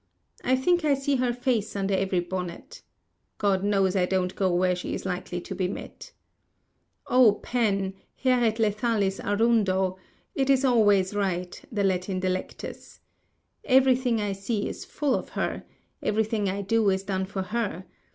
I think I see her face under every bonnet. God knows I don't go where she is likely to be met. Oh, Pen, hæret lethalis arundo; it is always right—the Latin Delectus! Everything I see is full of her, everything I do is done for her.